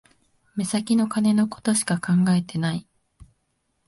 目先の金のことしか考えてない